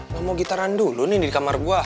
lu mau gitaran dulu nih di kamar gua